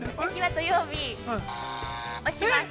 ◆土曜日、をします。